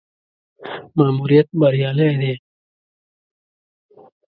ماموریت بریالی دی.